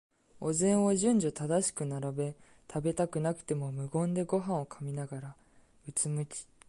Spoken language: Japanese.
お膳を順序正しく並べ、食べたくなくても無言でごはんを噛みながら、うつむき、